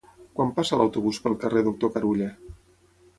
Quan passa l'autobús pel carrer Doctor Carulla?